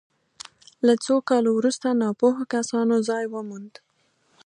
له څو کالو وروسته ناپوهو کسانو ځای وموند.